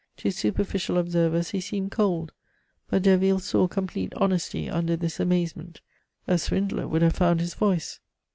To superficial observers he seemed cold, but Derville saw complete honesty under this amazement. A swindler would have found his voice.